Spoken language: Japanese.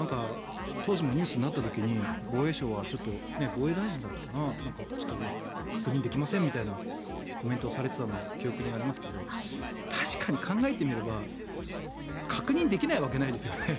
当時もニュースになった時に防衛省は、防衛大臣だったかな確認できませんみたいなコメントをされていた記憶にありますが確かに考えてみれば確認できないわけないですよね。